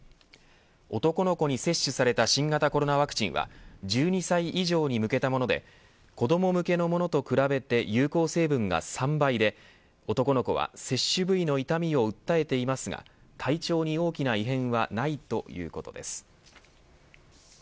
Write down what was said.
男の子に接種された新型コロナワクチンは１２歳以上に向けたもので子ども向けのものと比べて有効成分が３倍で、男の子は接種部位の痛みを訴えていますが体調に大きな異変はないということです。